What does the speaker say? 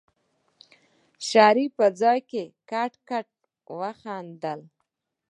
شريف په ځان کټ کټ وخندل.